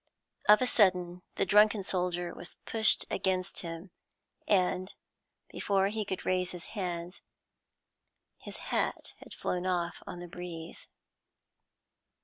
Of a sudden the drunken soldier was pushed against him, and before he could raise his hands, his hat had flown off on the breeze.